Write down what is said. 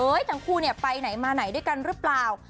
เอ๊ยทั้งครูไปไหนมาไหนด้วยกันหรือเปล่า